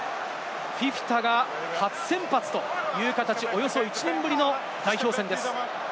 フィフィタが初先発という形、およそ１年ぶりの代表戦です。